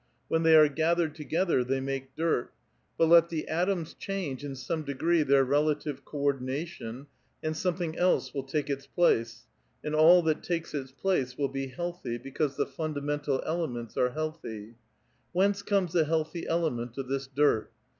When they are gathered together, they make dirt ; but let the atoms change in some degree their relative co ordination, and some thing else will take its place, and all that takes its place will be healthy, because the fundamental elements are healthv. Whence comes the healthv element of this dirt?